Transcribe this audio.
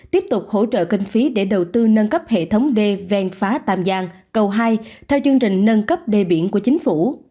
tiếp tục hỗ trợ kinh phí để đầu tư nâng cấp hệ thống đê ven phá tàm giang cầu hai theo chương trình nâng cấp đê biển của chính phủ